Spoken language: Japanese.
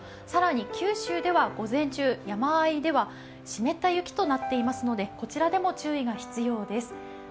更に九州では午前中、山あいでは湿った雪となっていますので、こちらでも注意が必要です。